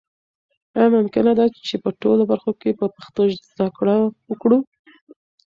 آیا ممکنه ده چې په ټولو برخو کې په پښتو زده کړه وکړو؟